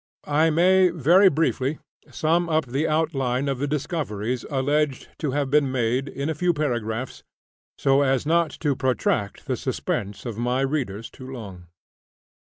I may very briefly sum up the outline of the discoveries alleged to have been made, in a few paragraphs, so as not to protract the suspense of my readers too long.